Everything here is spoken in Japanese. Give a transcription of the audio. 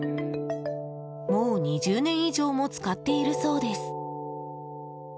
もう５年も使っているそうです。